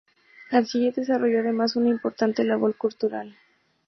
Allí desarrolló además una importante labor cultural.